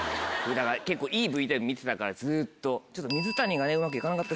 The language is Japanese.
結構いいＶＴＲ見てたからずっと。